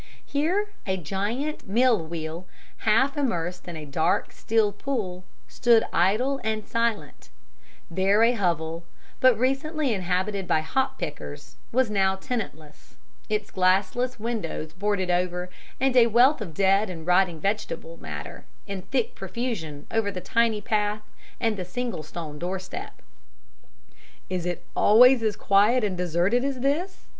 Here a giant mill wheel, half immersed in a dark, still pool, stood idle and silent; there a hovel, but recently inhabited by hop pickers, was now tenantless, its glassless windows boarded over, and a wealth of dead and rotting vegetable matter in thick profusion over the tiny path and the single stone doorstep. "Is it always as quiet and deserted as this?"